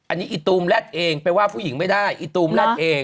อันนี้อีตูมรัดเองไปว่าผู้หญิงไม่ได้อีตูมรัดเอง